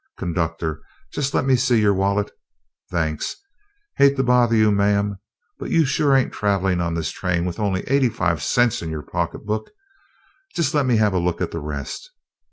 Conductor, just lemme see your wallet. Thanks! Hate to bother you, ma'am, but you sure ain't traveling on this train with only eighty five cents in your pocketbook. Just lemme have a look at the rest.